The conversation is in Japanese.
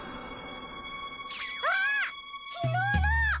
あきのうの！